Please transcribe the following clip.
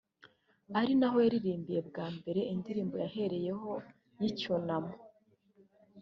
ari naho yaririmbiye bwa mbere indirimbo yahereyeho y’icyunamo